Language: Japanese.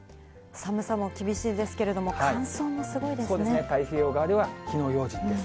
寒さも厳しいんですけれども、そうですね、太平洋側では火の用心です。